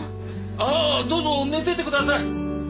ああどうぞ寝ててください。